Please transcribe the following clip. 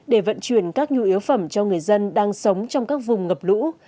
để vận chuyển các nhu yếu phẩm cho người dân đang sống trong các vùng ngập lũ